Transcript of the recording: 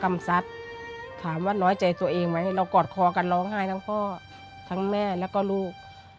ซัดถามว่าน้อยใจตัวเองไหมเรากอดคอกันร้องไห้ทั้งพ่อทั้งแม่แล้วก็ลูก